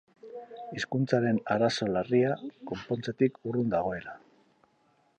Hizkuntzaren arazo larria konpontzetik urrun dagoela.